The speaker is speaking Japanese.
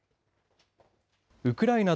ウクライナ